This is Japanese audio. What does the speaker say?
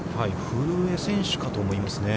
古江選手かと思いますね。